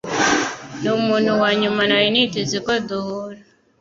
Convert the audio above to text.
Numuntu wanyuma nari niteze ko duhura.